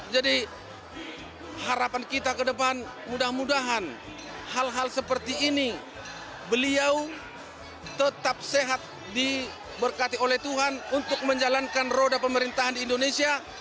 jadi harapan kita ke depan mudah mudahan hal hal seperti ini beliau tetap sehat diberkati oleh tuhan untuk menjalankan roda pemerintahan di indonesia